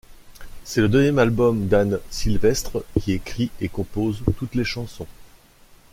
C'est le deuxième album d'Anne Sylvestre, qui écrit et compose toutes les chansons.